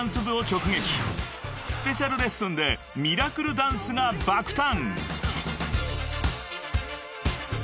［スペシャルレッスンでミラクルダンスが爆誕！］